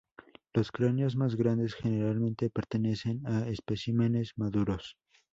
Los cráneos más grandes generalmente pertenecen a especímenes maduros.